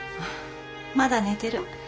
まだ寝てる。